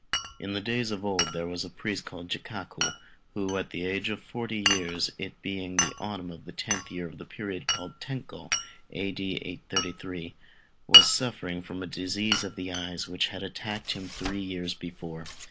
In the days of old there was a priest called Jikaku, who at the age of forty years, it being the autumn of the tenth year of the period called Tenchô (A.D. 833), was suffering from disease of the eyes, which had attacked him three years before.